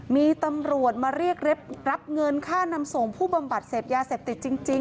มีตำรวจมาเรียกรับเงินค่านำส่งผู้บำบัดเสพยาเสพติดจริง